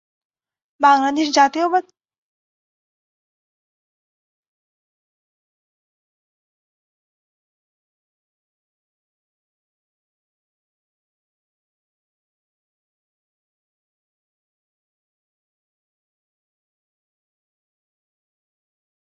সুদূর অতীতে নরবলি দিয়েও কালীপূজা হত।